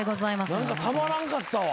何かたまらんかったわ。